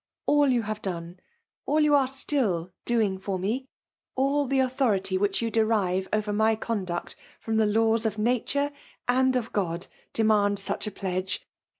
AU'iyta haVe do8i^« all you are still doing fbr me, itt tke authority which you derive over my oonf duot from the laws .of nature and of Cnod* demand such a pledge.